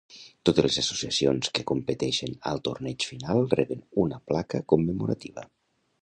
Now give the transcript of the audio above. Totes les associacions que competeixen al torneig final reben una placa commemorativa.